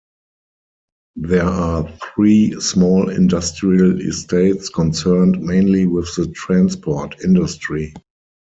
There are three small industrial estates concerned mainly with the transport industry.